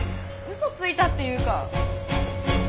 嘘ついたっていうか。